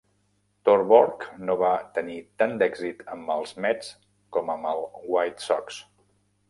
Torborg no va tenir tant d'èxit amb el Mets com amb el White Sox.